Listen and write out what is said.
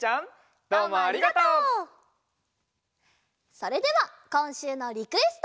それではこんしゅうのリクエスト！